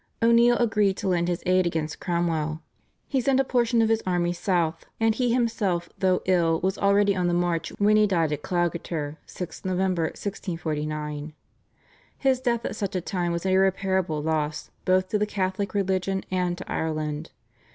O'Neill agreed to lend his aid against Cromwell. He sent a portion of his army south, and he himself, though ill, was already on the march when he died at Cloughoughter (6 Nov. 1649). His death at such a time was an irreparable loss both to the Catholic religion and to Ireland.